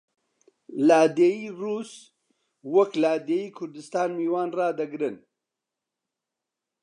لادێی ڕووس وەک لادێی کوردستان میوان ڕادەگرن